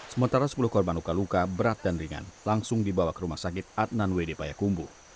sementara sepuluh korban luka luka berat dan ringan langsung dibawa ke rumah sakit adnan wd payakumbu